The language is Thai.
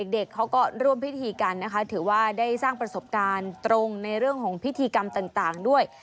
เด็กเขาก็ร่วมพิธีกันนะคะถือว่าได้สร้างประสบการณ์ตรงในเรื่องของพิธีกรรมต่างด้วย